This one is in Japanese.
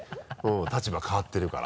立場変わってるから。